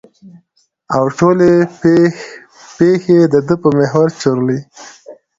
او ټولې پېښې د ده په محور چورلي.